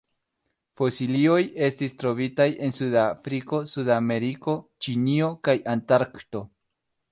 Fosilioj estis trovitaj en Sud-Afriko, Sudameriko, Ĉinio kaj Antarkto.